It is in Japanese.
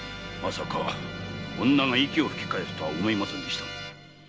まさか女が息を吹き返すとは思いませんでした。